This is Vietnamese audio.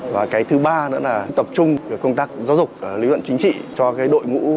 và cái thứ ba nữa là tập trung công tác giáo dục lưu đoạn chính trị cho đội ngũ